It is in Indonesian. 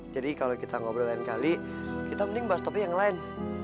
jadi kalau kita ngobrol lain kali kita mending bahas topik yang lain